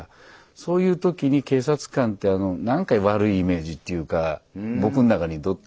そういう時に警察官って何か悪いイメージっていうか僕の中にあって。